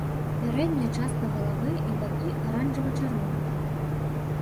Пярэдняя частка галавы і бакі аранжава-чырвоныя.